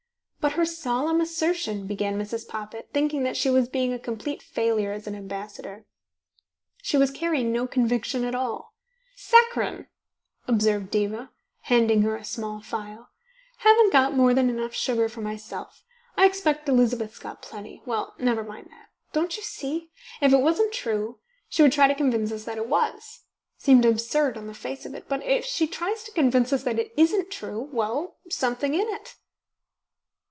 "But her solemn assertion " began Mrs. Poppit, thinking that she was being a complete failure as an ambassador. She was carrying no conviction at all. "Saccharine!" observed Diva, handing her a small phial. "Haven't got more than enough sugar for myself. I expect Elizabeth's got plenty well, never mind that. Don't you see? If it wasn't true she would try to convince us that it was. Seemed absurd on the face of it. But if she tries to convince us that it isn't true well, something in it."